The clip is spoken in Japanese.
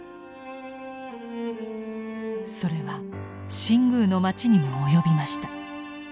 それは新宮の町にも及びました。